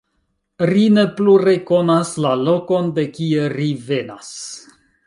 Ri ne plu rekonas la lokon, de kie ri venas.